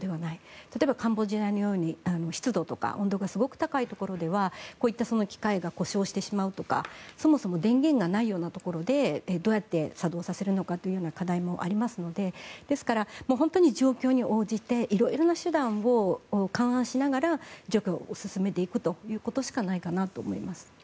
例えば、カンボジアのように湿度とか温度がすごく高いところではこういった機械が故障してしまうとか、そもそも電源がないようなところでどうやって作動させるのかという課題もありますのでですから、本当に状況に応じて色々な手段を勘案しながら除去を進めていくことしかないかなと思います。